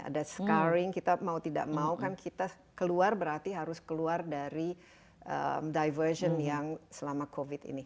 ada scaring kita mau tidak mau kan kita keluar berarti harus keluar dari diversion yang selama covid ini